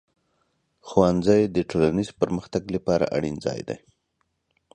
ښوونځی د ټولنیز پرمختګ لپاره اړین ځای دی.